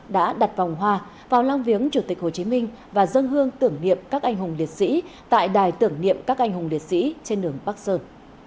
đã đặt vòng hoa vào lăng viếng chủ tịch hồ chí minh và dân hương tưởng niệm các anh hùng liệt sĩ tại đài tưởng niệm các anh hùng liệt sĩ trên đường bắc sơn